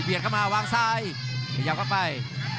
เบียดเข้ามาวางซ้ายพยายามเข้าไป